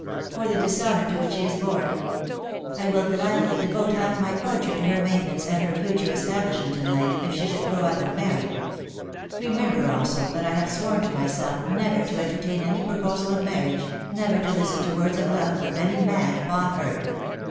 " For the dishonour to which she is born. I will gladly devote half my fortune to her maintenance and her future es tablishment in life, if she should grow up and marry. Remem ber also that 1 have sworn to myself never to entertain any proposal of marriage, never to listen to words of love from any man upon earth.